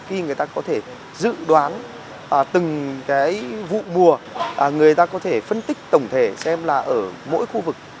khi người ta có thể dự đoán từng cái vụ mùa người ta có thể phân tích tổng thể xem là ở mỗi khu vực